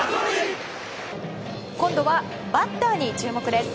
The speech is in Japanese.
今度は、バッターに注目です。